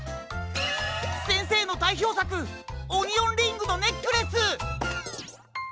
せんせいのだいひょうさくオニオンリングのネックレス！